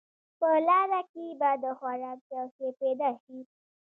په لاره کې به د خوراک یو شی پیدا شي.